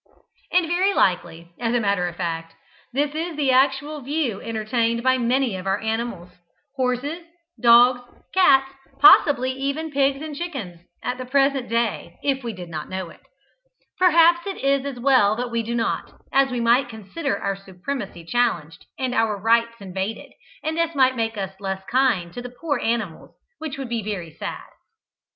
And very likely, as a matter of fact, this is the actual view entertained by many of our animals horses, dogs, cats, possibly even pigs and chickens at the present day, if we did but know it. Perhaps it is as well we do not, as we might consider our supremacy challenged and our rights invaded, and this might make us less kind to the poor animals, which would be very sad.